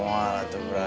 wah atuh bra